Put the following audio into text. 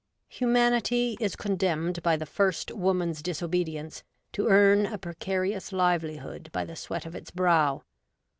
X PREFACE. Humanity is condemned by the First Woman's disobedience to earn a precarious livelihood by the sweat of its brow.